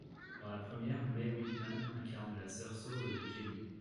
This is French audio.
Dans la première, Mae Whitman incarne la sœur sourde de Jaime.